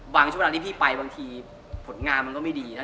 ช่วงเวลาที่พี่ไปบางทีผลงานมันก็ไม่ดีนะ